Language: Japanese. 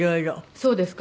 そうですか？